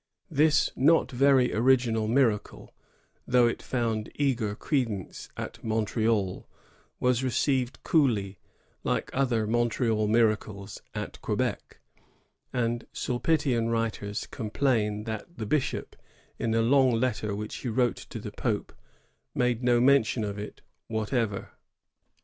^ This not very original miracle, though it found eager credence at Montreal, was received coolly, like other Montreal miracles, at Quebec ; and Sulpitian writers complain that the bishop, in a long letter which he wrote to the Pope, made no mention of it whatever.